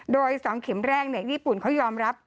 โดย๒เข็มแรกญี่ปุ่นเขายอมรับ